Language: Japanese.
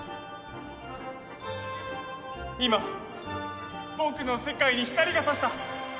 今僕の世界に光が差した。